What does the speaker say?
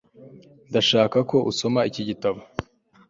ndashaka ko usoma iki gitabo